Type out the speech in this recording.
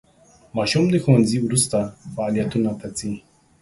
ماشوم د ښوونځي وروسته فعالیتونو ته ځي.